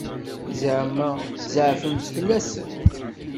Ẓeɛma tzeɛfemt fell-asent?